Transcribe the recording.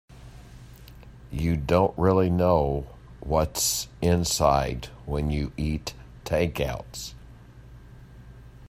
You don't really know what's inside when you eat takeouts.